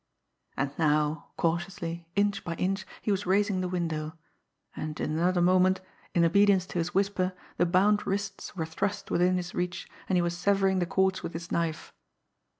And now cautiously, inch by inch, he was raising the window; and in another moment, in obedience to his whisper, the bound wrists were thrust within his reach, and he was severing the cords with his knife.